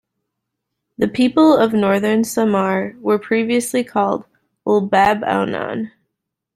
The people of Northern Samar were previously called "Ibabaonon".